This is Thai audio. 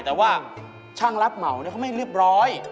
แต่ว่าช่างรับเหมาเขาไม่เรียบร้อย